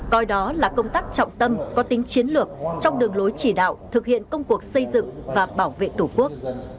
coi đó là công tác trọng tâm có tính chiến lược trong đường lối chỉ đạo thực hiện công cuộc xây dựng và bảo vệ tổ quốc